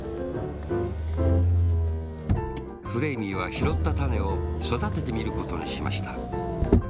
フレーミーはひろったたねをそだててみることにしました